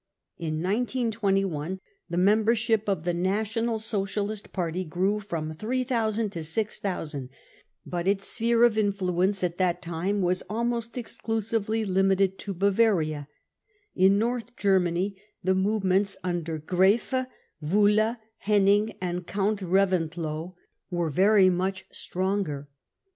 In 1921 the membership of the National Socialist Party grew from 3,000 to 6,000 ; but its sphere of influence at that time was almost exclusively limited to Bavaria. In North Ger many the movements under Graefe, Wulle, Henning and Count Reventlow were very much stronger.